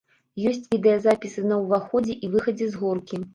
Ёсць відэазапісы на ўваходзе і выхадзе з горкі.